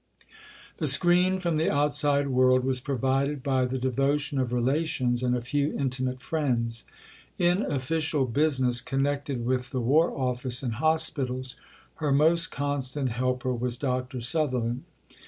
The screen from the outside world was provided by the devotion of relations and a few intimate friends. In official business, connected with the War Office and Hospitals, her most constant helper was Dr. Sutherland.